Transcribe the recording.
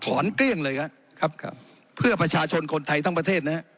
เกลี้ยงเลยครับครับเพื่อประชาชนคนไทยทั้งประเทศนะฮะ